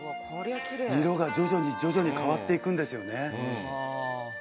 色が徐々に徐々に変わって行くんですよね。